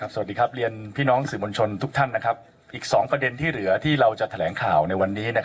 สวัสดีครับเรียนพี่น้องสื่อมวลชนทุกท่านอีก๒ประเด็นที่เหลือที่เราจะแถลงข่าวในวันนี้